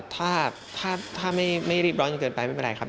ถ้าไม่รีบร้อนจนเกินไปไม่เป็นไรครับ